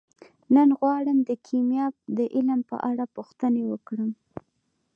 نن غواړم د کیمیا د علم په اړه پوښتنې وکړم.